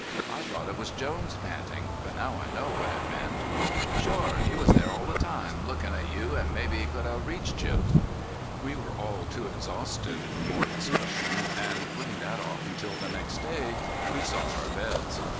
I thought it was Jones panting, but now I know what it meant." "Shore. He was there all the time, lookin' at you an' maybe he could have reached you." We were all too exhausted for more discussion and putting that off until the next day we sought our beds.